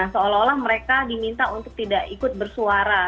seolah olah mereka diminta untuk tidak ikut bersuara